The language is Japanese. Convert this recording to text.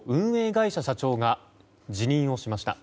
会社社長が辞任をしました。